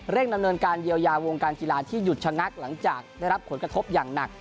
ดำเนินการเยียวยาวงการกีฬาที่หยุดชะงักหลังจากได้รับผลกระทบอย่างหนัก